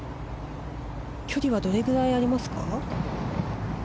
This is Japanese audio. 距離はどれくらいありますか。